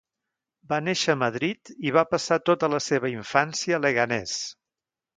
Va néixer a Madrid i va passar tota la seva infància a Leganés.